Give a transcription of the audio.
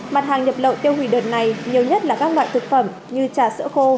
mặt hàng nhập lậu tiêu hủy đợt này nhiều nhất là các loại thực phẩm như trà sữa khô